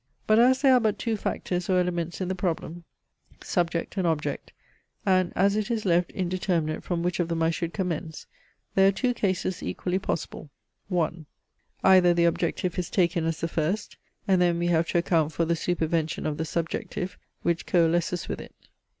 But as there are but two factors or elements in the problem, subject and object, and as it is left indeterminate from which of them I should commence, there are two cases equally possible. 1. EITHER THE OBJECTIVE IS TAKEN AS THE FIRST, AND THEN WE HAVE TO ACCOUNT FOR THE SUPERVENTION OF THE SUBJECTIVE, WHICH COALESCES WITH IT.